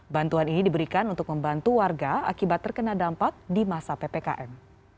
bantuan ini diberikan untuk membantu warga akibat terkena dampak di masa ppkm